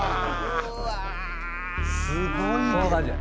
すごい。